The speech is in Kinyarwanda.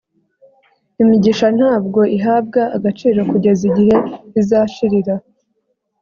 imigisha ntabwo ihabwa agaciro kugeza igihe izashirira